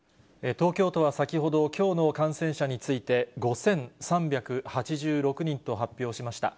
東京都は先ほど、きょうの感染者について、５３８６人と発表しました。